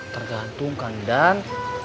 tergantung kang idan